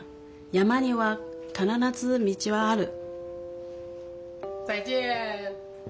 「山には必ず道はある」。